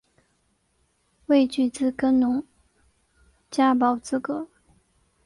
未具自耕农加保资格